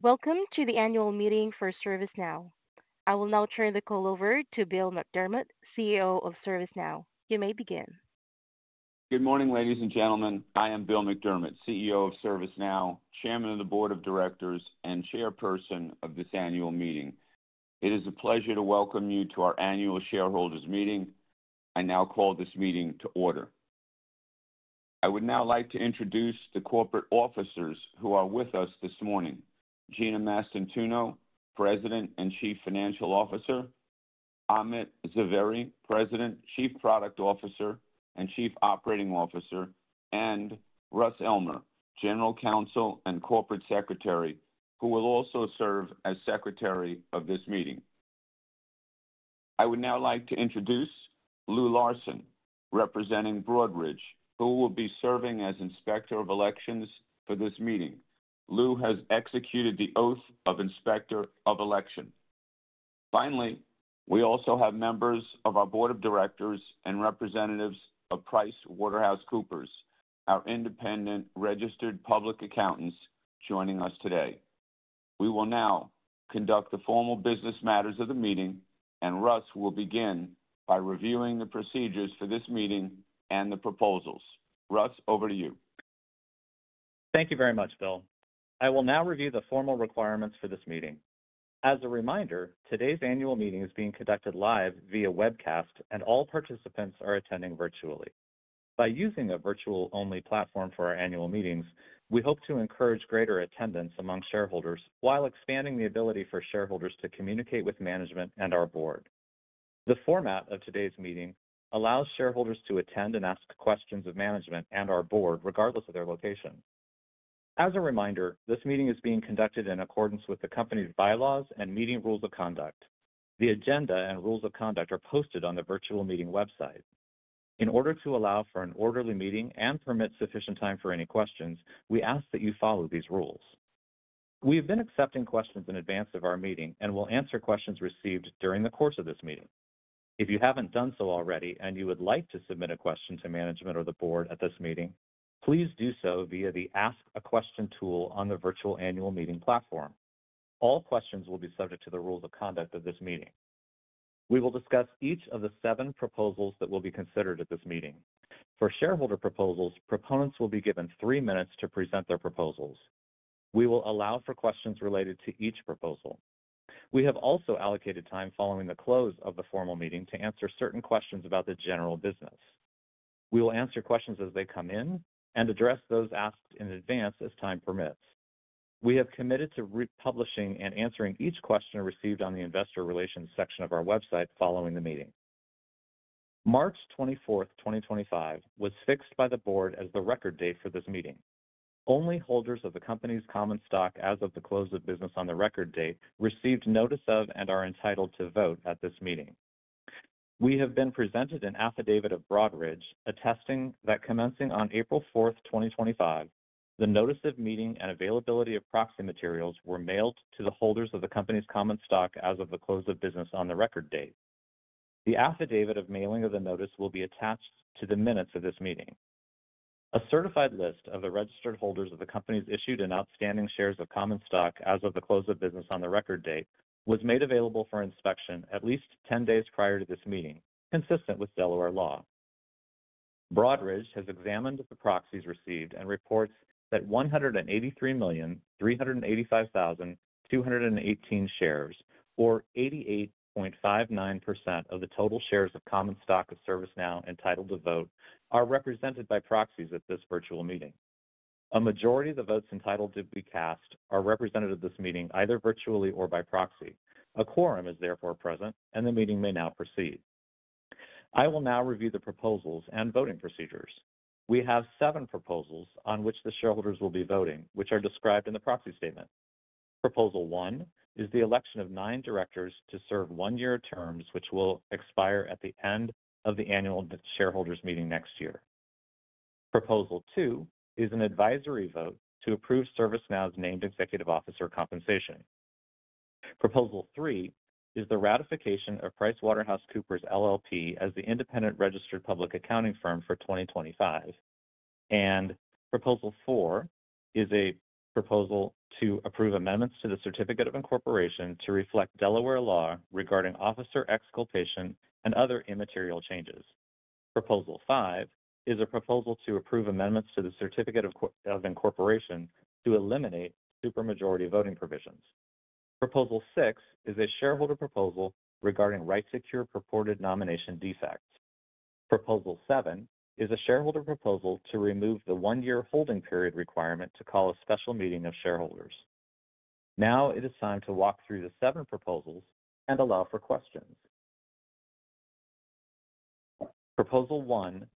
Welcome to the annual meeting for ServiceNow. I will now turn the call over to Bill McDermott, CEO of ServiceNow. You may begin. Good morning, ladies and gentlemen. I am Bill McDermott, CEO of ServiceNow, Chairman of the Board of Directors, and Chairperson of this annual meeting. It is a pleasure to welcome you to our annual shareholders' meeting. I now call this meeting to order. I would now like to introduce the corporate officers who are with us this morning: Gina Mastantuono, President and Chief Financial Officer; Amit Zavery, President, Chief Product Officer and Chief Operating Officer; and Russ Elmer, General Counsel and Corporate Secretary, who will also serve as Secretary of this meeting. I would now like to introduce Lou Larson, representing Broadridge, who will be serving as Inspector of Elections for this meeting. Lou has executed the oath of Inspector of Election. Finally, we also have members of our Board of Directors and representatives of PricewaterhouseCoopers, our independent registered public accountants, joining us today. We will now conduct the formal business matters of the meeting, and Russ will begin by reviewing the procedures for this meeting and the proposals. Russ, over to you. Thank you very much, Bill. I will now review the formal requirements for this meeting. As a reminder, today's annual meeting is being conducted live via webcast, and all participants are attending virtually. By using a virtual-only platform for our annual meetings, we hope to encourage greater attendance among shareholders while expanding the ability for shareholders to communicate with management and our board. The format of today's meeting allows shareholders to attend and ask questions of management and our board, regardless of their location. As a reminder, this meeting is being conducted in accordance with the company's bylaws and meeting rules of conduct. The agenda and rules of conduct are posted on the virtual meeting website. In order to allow for an orderly meeting and permit sufficient time for any questions, we ask that you follow these rules. We have been accepting questions in advance of our meeting and will answer questions received during the course of this meeting. If you have not done so already and you would like to submit a question to management or the board at this meeting, please do so via the Ask a Question tool on the virtual annual meeting platform. All questions will be subject to the rules of conduct of this meeting. We will discuss each of the seven proposals that will be considered at this meeting. For shareholder proposals, proponents will be given three minutes to present their proposals. We will allow for questions related to each proposal. We have also allocated time following the close of the formal meeting to answer certain questions about the general business. We will answer questions as they come in and address those asked in advance as time permits. We have committed to republishing and answering each question received on the Investor Relations section of our website following the meeting. March 24, 2025, was fixed by the board as the record date for this meeting. Only holders of the company's common stock as of the close of business on the record date received notice of and are entitled to vote at this meeting. We have been presented an affidavit of Broadridge attesting that commencing on April 4, 2025, the notice of meeting and availability of proxy materials were mailed to the holders of the company's common stock as of the close of business on the record date. The affidavit of mailing of the notice will be attached to the minutes of this meeting. A certified list of the registered holders of the company's issued and outstanding shares of common stock as of the close of business on the record date was made available for inspection at least 10 days prior to this meeting, consistent with Delaware law. Broadridge has examined the proxies received and reports that 183,385,218 shares, or 88.59% of the total shares of common stock of ServiceNow entitled to vote, are represented by proxies at this virtual meeting. A majority of the votes entitled to be cast are represented at this meeting either virtually or by proxy. A quorum is therefore present, and the meeting may now proceed. I will now review the proposals and voting procedures. We have seven proposals on which the shareholders will be voting, which are described in the proxy statement. Proposal 1 is the election of nine directors to serve one-year terms, which will expire at the end of the annual shareholders' meeting next year. Proposal 2 is an advisory vote to approve ServiceNow's named executive officer compensation. Proposal 3 is the ratification of PricewaterhouseCoopers LLP as the independent registered public accounting firm for 2025. Proposal 4 is a proposal to approve amendments to the certificate of incorporation to reflect Delaware law regarding officer exculpation and other immaterial changes. Proposal 5 is a proposal to approve amendments to the certificate of incorporation to eliminate supermajority voting provisions. Proposal 6 is a shareholder proposal regarding Right to Cure purported nomination defects. Proposal 7 is a shareholder proposal to remove the one-year holding period requirement to call a special meeting of shareholders. Now it is time to walk through the seven proposals and allow for questions. Proposal 1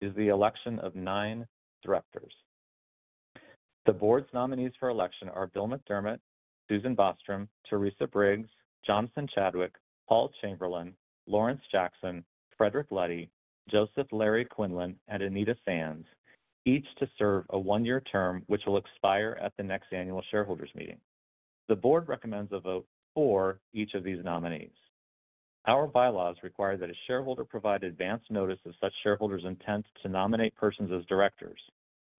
is the election of nine directors. The board's nominees for election are Bill McDermott, Susan Bostrom, Teresa Briggs, Jonathan Chadwick, Paul Chamberlain, Lawrence Jackson, Frederic Levy, Joseph Larry Quinlan, and Anita Sands, each to serve a one-year term which will expire at the next annual shareholders' meeting. The board recommends a vote for each of these nominees. Our bylaws require that a shareholder provide advance notice of such shareholders' intent to nominate persons as directors.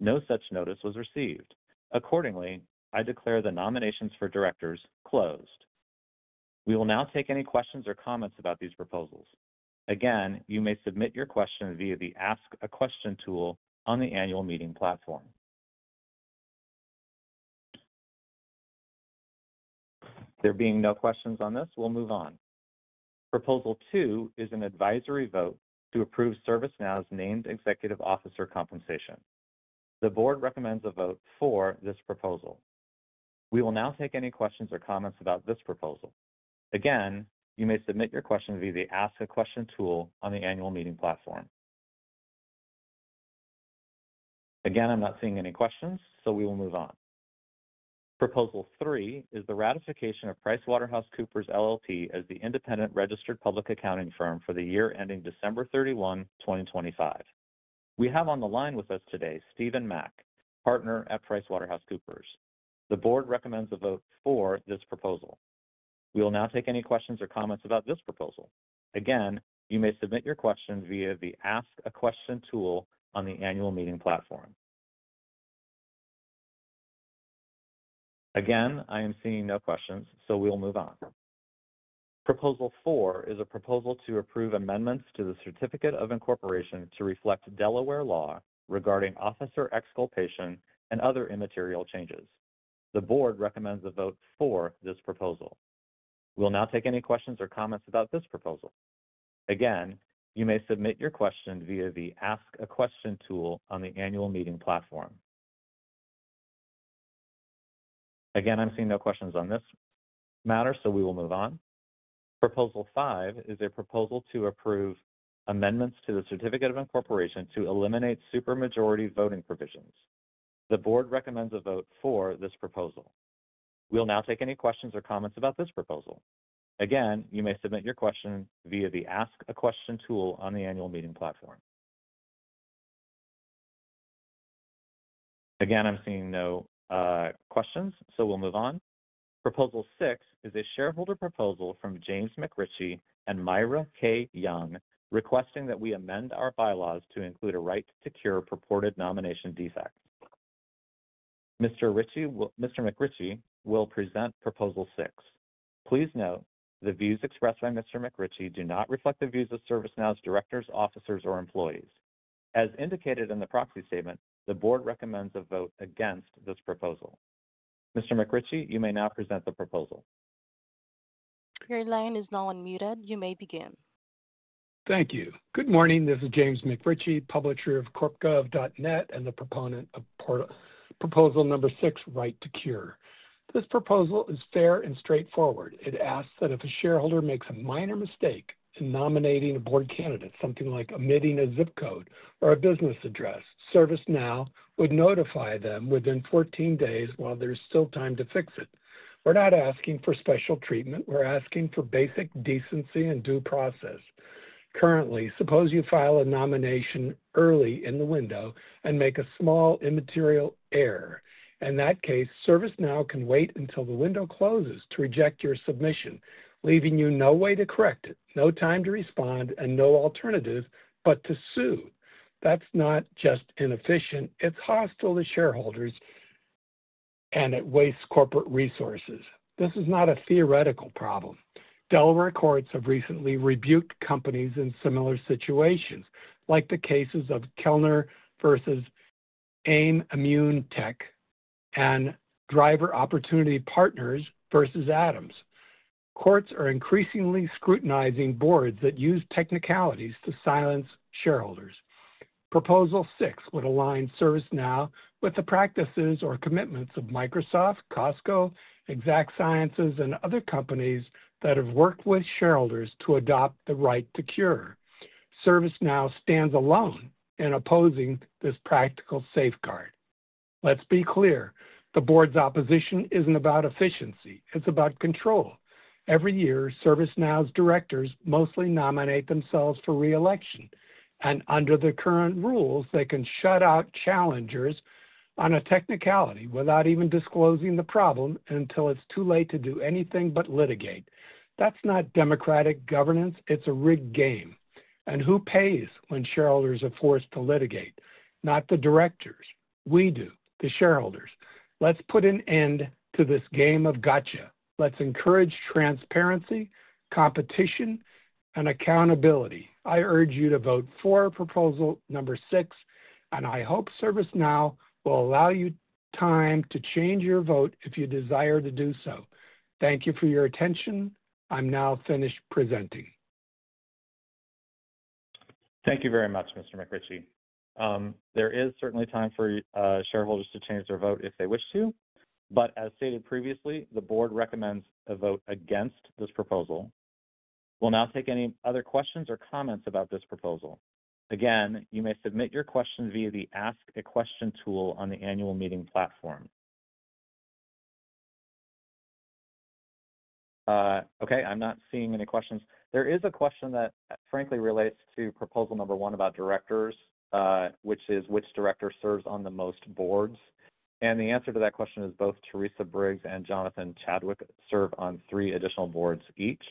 No such notice was received. Accordingly, I declare the nominations for directors closed. We will now take any questions or comments about these proposals. Again, you may submit your question via the Ask a Question tool on the annual meeting platform. There being no questions on this, we'll move on. Proposal 2 is an advisory vote to approve ServiceNow's named executive officer compensation. The board recommends a vote for this proposal. We will now take any questions or comments about this proposal. Again, you may submit your question via the Ask a Question tool on the annual meeting platform. Again, I'm not seeing any questions, so we will move on. Proposal 3 is the ratification of PricewaterhouseCoopers LLP as the independent registered public accounting firm for the year ending December 31, 2025. We have on the line with us today Stephen Mack, partner at PricewaterhouseCoopers. The board recommends a vote for this proposal. We will now take any questions or comments about this proposal. Again, you may submit your question via the Ask a Question tool on the annual meeting platform. Again, I am seeing no questions, so we'll move on. Proposal 4 is a proposal to approve amendments to the certificate of incorporation to reflect Delaware law regarding officer exculpation and other immaterial changes. The board recommends a vote for this proposal. We'll now take any questions or comments about this proposal. Again, you may submit your question via the Ask a Question tool on the annual meeting platform. Again, I'm seeing no questions on this matter, so we will move on. Proposal 5 is a proposal to approve amendments to the certificate of incorporation to eliminate supermajority voting provisions. The board recommends a vote for this proposal. We'll now take any questions or comments about this proposal. Again, you may submit your question via the Ask a Question tool on the annual meeting platform. Again, I'm seeing no questions, so we'll move on. Proposal 6 is a shareholder proposal from James McRitchie and Myra K. Young, requesting that we amend our bylaws to include a right to cure purported nomination defects. Mr. McRitchie will present Proposal 6. Please note the views expressed by Mr. McRitchie do not reflect the views of ServiceNow's directors, officers, or employees. As indicated in the proxy statement, the Board recommends a vote against this proposal. Mr. McRitchie, you may now present the proposal. Your line is now unmuted. You may begin. Thank you. Good morning. This is James McRitchie, publisher of corpgov.net and the proponent of Proposal Number 6, Right to Cure. This proposal is fair and straightforward. It asks that if a shareholder makes a minor mistake in nominating a board candidate, something like omitting a ZIP code or a business address, ServiceNow would notify them within 14 days while there's still time to fix it. We're not asking for special treatment. We're asking for basic decency and due process. Currently, suppose you file a nomination early in the window and make a small immaterial error. In that case, ServiceNow can wait until the window closes to reject your submission, leaving you no way to correct it, no time to respond, and no alternative but to sue. That's not just inefficient. It's hostile to shareholders, and it wastes corporate resources. This is not a theoretical problem. Delaware courts have recently rebuked companies in similar situations, like the cases of Kellner v. AIM Immunotech and Driver Opportunity Partners v. Adams. Courts are increasingly scrutinizing boards that use technicalities to silence shareholders. Proposal Six would align ServiceNow with the practices or commitments of Microsoft, Costco, Exact Sciences, and other companies that have worked with shareholders to adopt the Right to Cure. ServiceNow stands alone in opposing this practical safeguard. Let's be clear. The board's opposition isn't about efficiency. It's about control. Every year, ServiceNow's directors mostly nominate themselves for reelection. Under the current rules, they can shut out challengers on a technicality without even disclosing the problem until it's too late to do anything but litigate. That's not democratic governance. It's a rigged game. And who pays when shareholders are forced to litigate? Not the directors. We do, the shareholders. Let's put an end to this game of gotcha. Let's encourage transparency, competition, and accountability. I urge you to vote for Proposal Number 6, and I hope ServiceNow will allow you time to change your vote if you desire to do so. Thank you for your attention. I'm now finished presenting. Thank you very much, Mr. McRitchie. There is certainly time for shareholders to change their vote if they wish to. As stated previously, the board recommends a vote against this proposal. We'll now take any other questions or comments about this proposal. Again, you may submit your question via the Ask a Question tool on the annual meeting platform. Okay. I'm not seeing any questions. There is a question that, frankly, relates to Proposal Number 1 about directors, which is which director serves on the most boards. The answer to that question is both Teresa Briggs and Jonathan Chadwick serve on three additional boards each.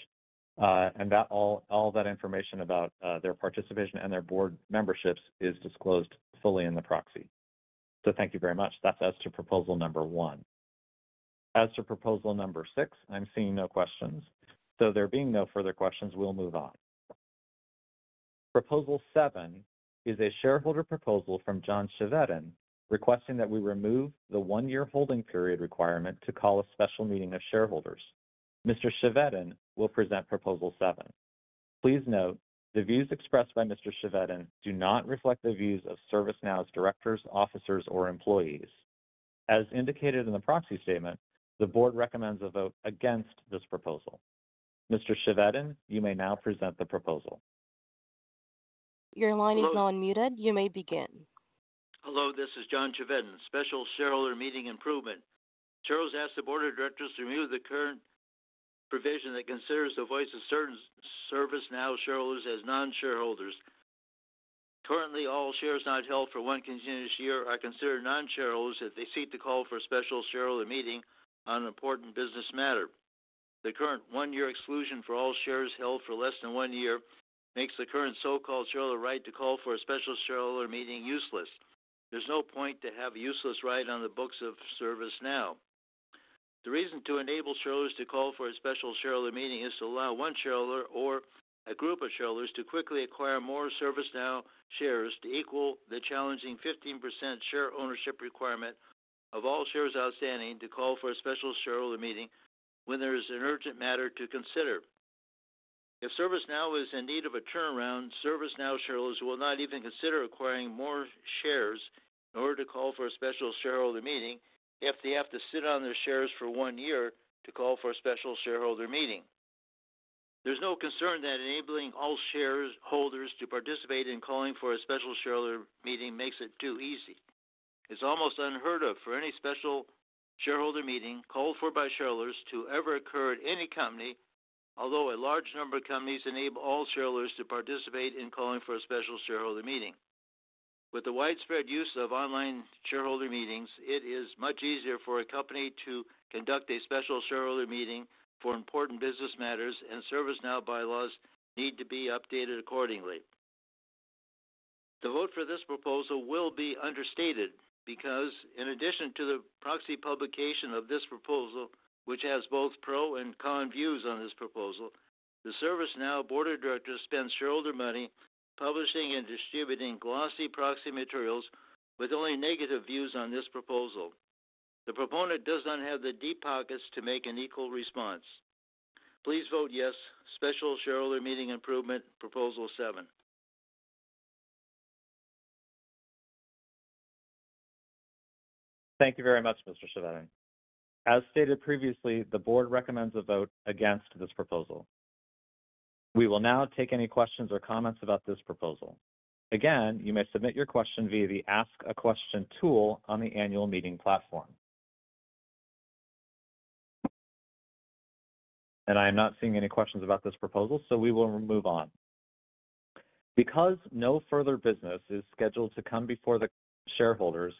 All that information about their participation and their board memberships is disclosed fully in the proxy. Thank you very much. That's as to Proposal Number 1. As to Proposal Number 6, I'm seeing no questions. There being no further questions, we'll move on. Proposal 7 is a shareholder proposal from John Chevedden requesting that we remove the one-year holding period requirement to call a special meeting of shareholders. Mr. Chevedden will present Proposal 7. Please note the views expressed by Mr. Chevedden do not reflect the views of ServiceNow's directors, officers, or employees. As indicated in the proxy statement, the board recommends a vote against this proposal. Mr. Chevedden, you may now present the proposal. Your line is now unmuted. You may begin. Hello. This is John Chevetton, Special Shareholder Meeting Improvement. Charles, ask the Board of Directors to remove the current provision that considers the voice of ServiceNow shareholders as non-shareholders. Currently, all shares not held for one continuous year are considered non-shareholders if they seek to call for a special shareholder meeting on an important business matter. The current one-year exclusion for all shares held for less than one year makes the current so-called shareholder right to call for a special shareholder meeting useless. There's no point to have a useless right on the books of ServiceNow. The reason to enable shareholders to call for a special shareholder meeting is to allow one shareholder or a group of shareholders to quickly acquire more ServiceNow shares to equal the challenging 15% share ownership requirement of all shares outstanding to call for a special shareholder meeting when there is an urgent matter to consider. If ServiceNow is in need of a turnaround, ServiceNow shareholders will not even consider acquiring more shares in order to call for a special shareholder meeting if they have to sit on their shares for one year to call for a special shareholder meeting. There's no concern that enabling all shareholders to participate in calling for a special shareholder meeting makes it too easy. It's almost unheard of for any special shareholder meeting called for by shareholders to ever occur at any company, although a large number of companies enable all shareholders to participate in calling for a special shareholder meeting. With the widespread use of online shareholder meetings, it is much easier for a company to conduct a special shareholder meeting for important business matters, and ServiceNow bylaws need to be updated accordingly. The vote for this proposal will be understated because, in addition to the proxy publication of this proposal, which has both pro and con views on this proposal, the ServiceNow board of directors spends shareholder money publishing and distributing glossy proxy materials with only negative views on this proposal. The proponent does not have the deep pockets to make an equal response. Please vote yes, Special Shareholder Meeting Improvement, Proposal 7. Thank you very much, Mr. Chevedden. As stated previously, the board recommends a vote against this proposal. We will now take any questions or comments about this proposal. Again, you may submit your question via the Ask a Question tool on the annual meeting platform. I am not seeing any questions about this proposal, so we will move on. Because no further business is scheduled to come before the shareholders,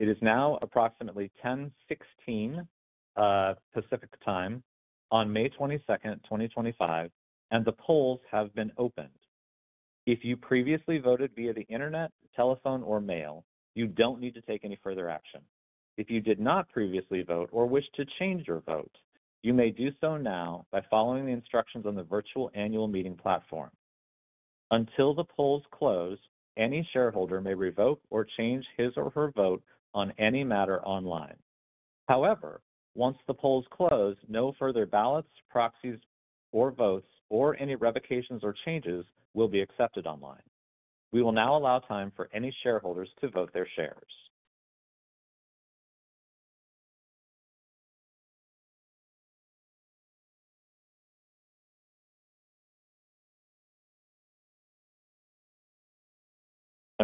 it is now approximately 10:16 A.M. Pacific Time on May 22, 2025, and the polls have been opened. If you previously voted via the internet, telephone, or mail, you do not need to take any further action. If you did not previously vote or wish to change your vote, you may do so now by following the instructions on the virtual annual meeting platform. Until the polls close, any shareholder may revoke or change his or her vote on any matter online. However, once the polls close, no further ballots, proxies, or votes, or any revocations or changes will be accepted online. We will now allow time for any shareholders to vote their shares.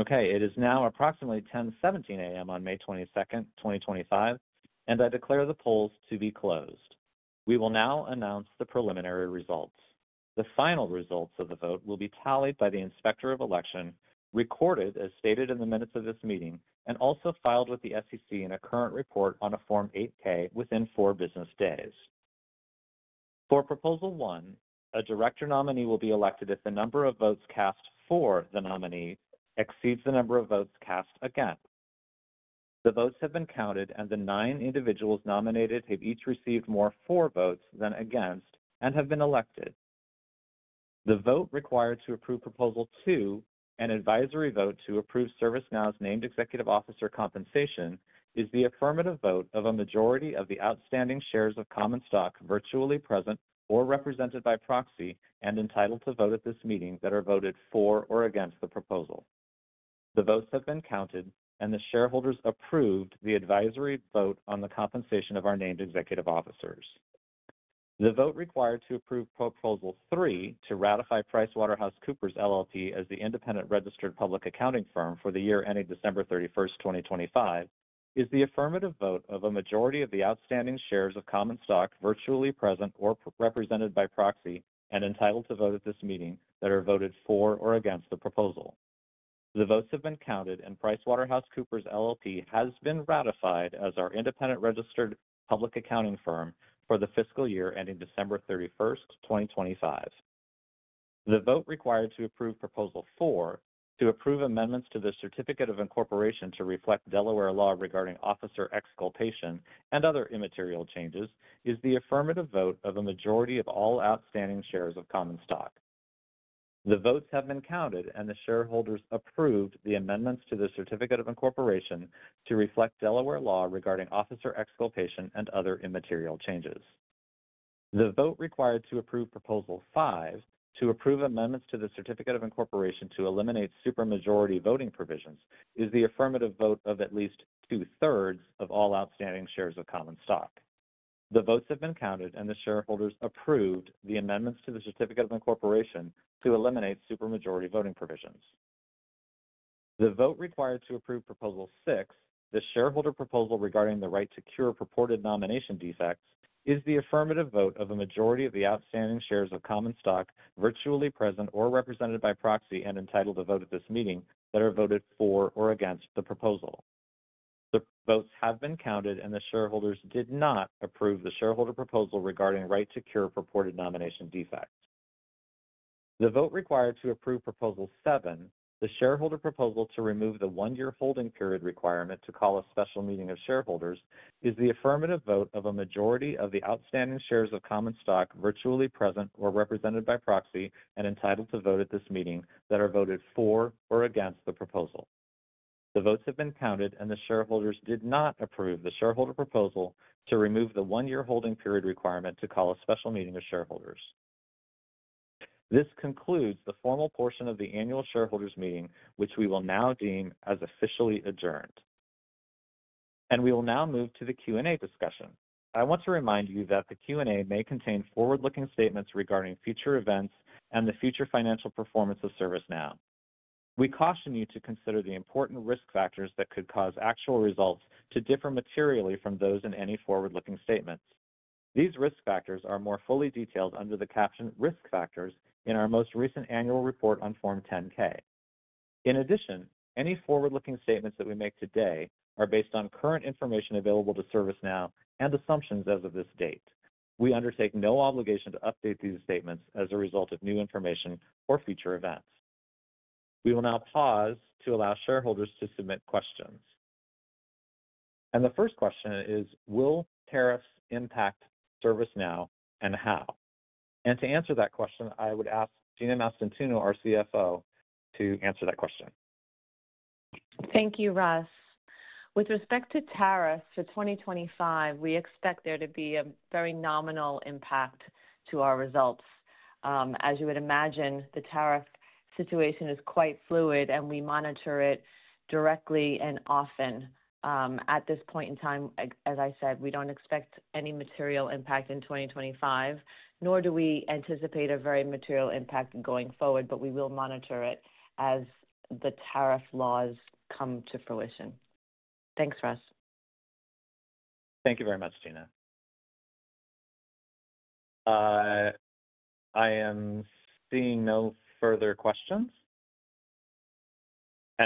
Okay. It is now approximately 10:17 A.M. on May 22, 2025, and I declare the polls to be closed. We will now announce the preliminary results. The final results of the vote will be tallied by the Inspector of Elections, recorded as stated in the minutes of this meeting, and also filed with the SEC in a current report on a Form 8-K within four business days. For Proposal 1, a director nominee will be elected if the number of votes cast for the nominee exceeds the number of votes cast against. The votes have been counted, and the nine individuals nominated have each received more for votes than against and have been elected. The vote required to approve Proposal 2 and advisory vote to approve ServiceNow's named executive officer compensation is the affirmative vote of a majority of the outstanding shares of common stock virtually present or represented by proxy and entitled to vote at this meeting that are voted for or against the proposal. The votes have been counted, and the shareholders approved the advisory vote on the compensation of our named executive officers. The vote required to approve Proposal 3 to ratify PricewaterhouseCoopers LLP as the independent registered public accounting firm for the year ending December 31, 2025 is the affirmative vote of a majority of the outstanding shares of common stock virtually present or represented by proxy and entitled to vote at this meeting that are voted for or against the proposal. The votes have been counted, and PricewaterhouseCoopers LLP has been ratified as our independent registered public accounting firm for the fiscal year ending December 31, 2025. The vote required to approve Proposal 4 to approve amendments to the certificate of incorporation to reflect Delaware law regarding officer exculpation and other immaterial changes is the affirmative vote of a majority of all outstanding shares of common stock. The votes have been counted, and the shareholders approved the amendments to the certificate of incorporation to reflect Delaware law regarding officer exculpation and other immaterial changes. The vote required to approve Proposal 5 to approve amendments to the certificate of incorporation to eliminate supermajority voting provisions is the affirmative vote of at least two-thirds of all outstanding shares of common stock. The votes have been counted, and the shareholders approved the amendments to the certificate of incorporation to eliminate supermajority voting provisions. The vote required to approve Proposal 6, the shareholder proposal regarding the right to cure purported nomination defects, is the affirmative vote of a majority of the outstanding shares of common stock virtually present or represented by proxy and entitled to vote at this meeting that are voted for or against the proposal. The votes have been counted, and the shareholders did not approve the shareholder proposal regarding Right to Cure purported nomination defects. The vote required to approve Proposal 7, the shareholder proposal to remove the one-year holding period requirement to call a special meeting of shareholders, is the affirmative vote of a majority of the outstanding shares of common stock virtually present or represented by proxy and entitled to vote at this meeting that are voted for or against the proposal. The votes have been counted, and the shareholders did not approve the shareholder proposal to remove the one-year holding period requirement to call a special meeting of shareholders. This concludes the formal portion of the annual shareholders' meeting, which we will now deem as officially adjourned. We will now move to the Q&A discussion. I want to remind you that the Q&A may contain forward-looking statements regarding future events and the future financial performance of ServiceNow. We caution you to consider the important risk factors that could cause actual results to differ materially from those in any forward-looking statements. These risk factors are more fully detailed under the captioned risk factors in our most recent annual report on Form 10-K. In addition, any forward-looking statements that we make today are based on current information available to ServiceNow and assumptions as of this date. We undertake no obligation to update these statements as a result of new information or future events. We will now pause to allow shareholders to submit questions. The first question is, will tariffs impact ServiceNow and how? To answer that question, I would ask Gina Mastantuono, our CFO, to answer that question. Thank you, Russ. With respect to tariffs for 2025, we expect there to be a very nominal impact to our results. As you would imagine, the tariff situation is quite fluid, and we monitor it directly and often. At this point in time, as I said, we do not expect any material impact in 2025, nor do we anticipate a very material impact going forward, but we will monitor it as the tariff laws come to fruition. Thanks, Russ. Thank you very much, Gina. I am seeing no further questions.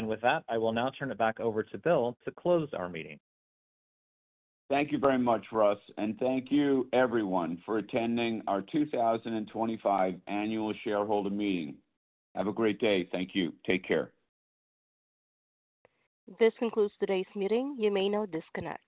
With that, I will now turn it back over to Bill to close our meeting. Thank you very much, Russ, and thank you everyone for attending our 2025 Annual Shareholder Meeting. Have a great day. Thank you. Take care. This concludes today's meeting. You may now disconnect.